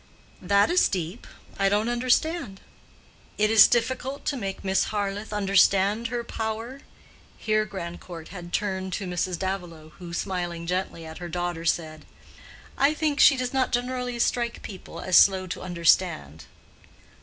"That is deep. I don't understand." "It is difficult to make Miss Harleth understand her power?" Here Grandcourt had turned to Mrs. Davilow, who, smiling gently at her daughter, said, "I think she does not generally strike people as slow to understand."